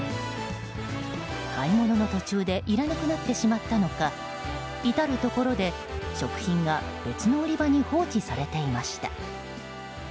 買い物の途中でいらなくなってしまったのか至るところで食品が別の売り場に放置されていました。